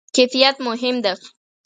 کیفیت مهم ده؟